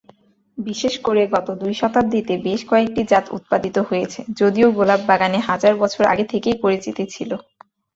বিশেষ করে গত দুই শতাব্দীতে বেশ কয়েকটি জাত উৎপাদিত হয়েছে, যদিও গোলাপ বাগানে হাজার বছর আগে থেকেই পরিচিত ছিল।